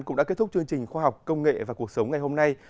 cũng đã kết thúc chương trình khoa học công nghệ và cuộc sống ngày hôm nay